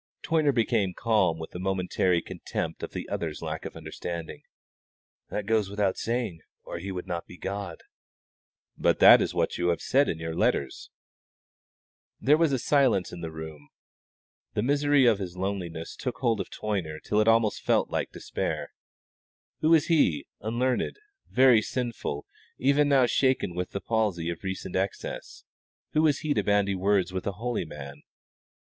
Toyner became calm with a momentary contempt of the other's lack of understanding. "That goes without saying, or He would not be God." "But that is what you have said in your letters." There was silence in the room. The misery of his loneliness took hold of Toyner till it almost felt like despair. Who was he, unlearned, very sinful, even now shaken with the palsy of recent excess who was he to bandy words with a holy man?